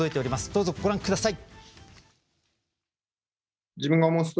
どうぞご覧ください。